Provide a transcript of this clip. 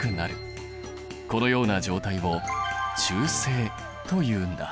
このような状態を中性というんだ。